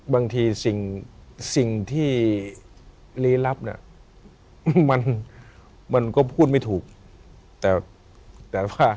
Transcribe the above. บางทีสิ่งสิ่งที่รีรับเนี้ยมันมันก็พูดไม่ถูกแต่แต่ว่า